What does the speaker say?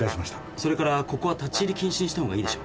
それからここは立ち入り禁止にしたほうがいいでしょう。